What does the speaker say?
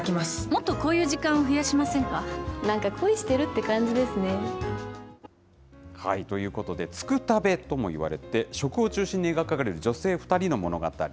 もっとこういう時間を増やしませんか？ということで、つくたべともいわれて、食を中心に描かれる女性２人の物語。